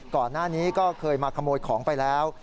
ก่อนหน้านี้ก็เคยมาขโมยของไปแล้ว